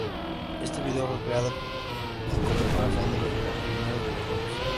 Este video fue creado en conmemoración de los primeros videojuegos.